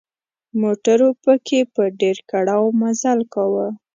موټرو پکې په ډېر کړاو مزل کاوه.